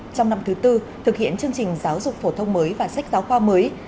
trong năm thứ tư thực hiện chương trình giáo dục phổ thông mới và sách giáo khoa mới